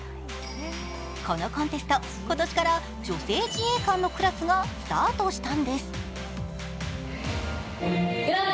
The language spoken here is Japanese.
このコンテスト、今年から女性自衛官のクラスがスタートしたんです。